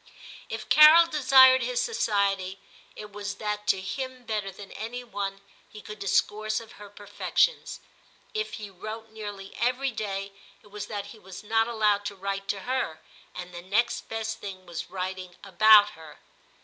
If X TIM 235 Carol desired his society, it was that to him better than any one he could discourse of her perfections ; if he wrote nearly every day, it was that he was' not allowed to write to her, and the next best thing was writing about her.